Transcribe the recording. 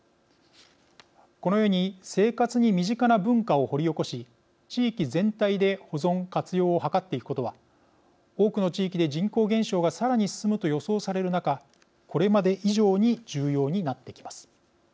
このように、生活に身近な文化を掘り起こし、地域全体で保存活用を図っていくことは多くの地域で人口減少がさらに進むと予想される中これまで以上に重要になってきます。